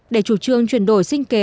để chủ trương chuyển đổi sinh kế